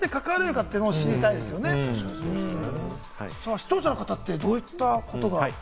視聴者の方ってどういったことが？